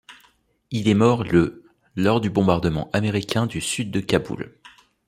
Il est mort le lors du bombardement américain du sud de Kaboul.